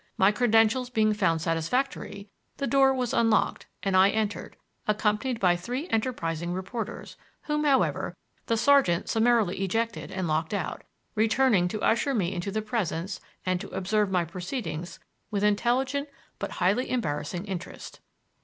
My credentials being found satisfactory, the door was unlocked and I entered, accompanied by three enterprising reporters, whom, however, the sergeant summarily ejected and locked out, returning to usher me into the presence and to observe my proceedings with intelligent but highly embarrassing interest.